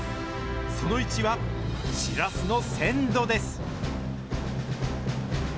その１はシラスの鮮度です。